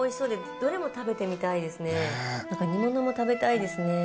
なんか煮物も食べたいですね。